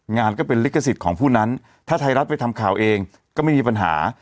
งานก็เป็นลิขสิทธิ์ของผู้นั้นถ้าไทยรัฐไปทำข่าวเองก็ไม่มีปัญหา